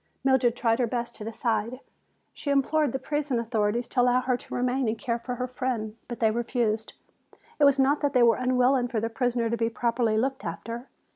Mildred tried her best to decide. She implored the prison authorities to allow her to remain and care for her friend. But they refused. It was not that they were unwilling for their prisoner to be properly looked after.